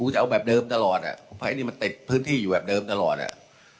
จะเอาแบบเดิมตลอดนะเนี่ยไอ้นี่ถาเป็นติดพื้นที่อยู่แบบเดิมตลอดนะ